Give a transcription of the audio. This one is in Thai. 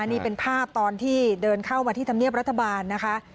นี่เป็นภาพตอนที่เดินเข้ามาที่ธรรมเนียบรัฐบาลนะคะ